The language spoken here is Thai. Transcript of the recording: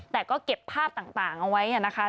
แต่ก็เก็บภาพต่างเอาไว้นะคะ